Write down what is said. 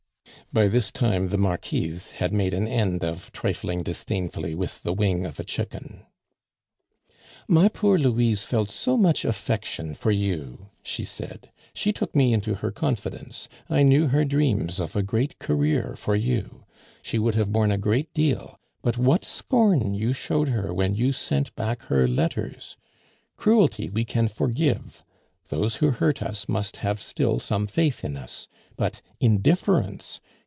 By this time the Marquise had made an end of trifling disdainfully with the wing of a chicken. "My poor Louise felt so much affection for you," she said. "She took me into her confidence; I knew her dreams of a great career for you. She would have borne a great deal, but what scorn you showed her when you sent back her letters! Cruelty we can forgive; those who hurt us must have still some faith in us; but indifference!